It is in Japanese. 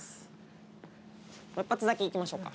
もう一発だけいきましょうか。